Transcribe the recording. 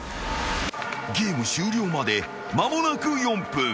［ゲーム終了まで間もなく４分］